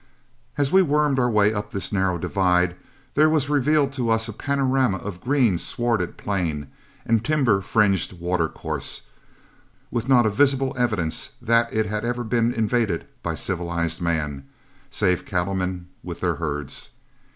As we wormed our way up this narrow divide, there was revealed to us a panorama of green swarded plain and timber fringed watercourse, with not a visible evidence that it had ever been invaded by civilized man, save cattlemen with their herds.